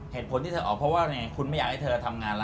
เหตุผลที่เธอออกเพราะว่าคุณไม่อยากให้เธอทำงานแล้ว